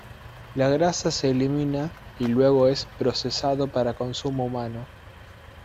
La grasa se elimina y luego es procesado para consumo humano.